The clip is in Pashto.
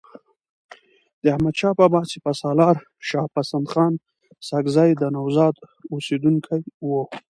د احمدشاه بابا سپه سالارشاه پسندخان ساکزی د نوزاد اوسیدونکی وو.